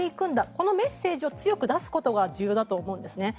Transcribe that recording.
このメッセージを強く出すことが重要だと思うんですね。